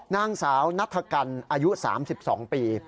นางสาวนัฐกันอายุ๓๒ปี